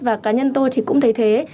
và cá nhân tôi thì cũng thấy thế